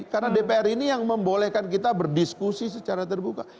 karena dpr ini yang membolehkan kita berdiskusi secara terbuka